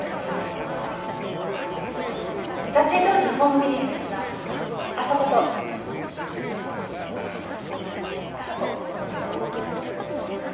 撮影当時のホームビデオの位置はあそことあそこ。